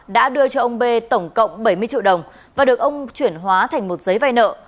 đã đưa cho ông b tổng cộng bảy mươi triệu đồng và được ông chuyển hóa thành một giấy vay nợ